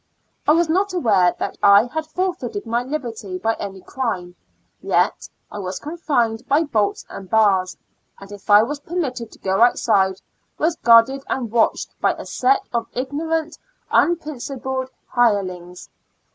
I was not aware that I had forfeited my liberty by any crime, yet I was confined by bolts and bars, and if I was permitted to go outside, was guarded and watched by a set of ignorant, unprin cipled hirelings.